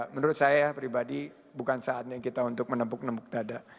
menurut saya pribadi bukan saatnya kita untuk menempuk nemuk dada